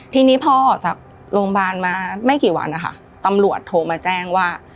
ทีนี้พอออกจากโรงพยาบาลมาไม่กี่วันนะคะตำรวจโทรมาแจ้งว่า